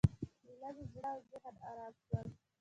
ایله مې زړه او ذهن ارامه شول.